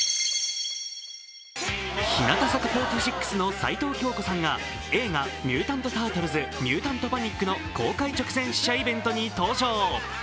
日向坂４６の齊藤京子さんが映画「ミュータント・タートルズ：ミュータント・パニック！」の公開直前試写イベントに登場。